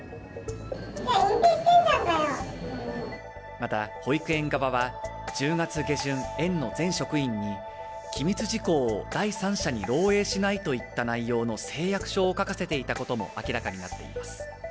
また保育園側は１０月下旬、園の全職員に、機密事項を第三者に漏えいしないといった内容の誓約書を書かせていたことも明らかになっています。